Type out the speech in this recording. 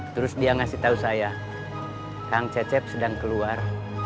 terus dia ngasih tahu saya kang cecep sedang keluar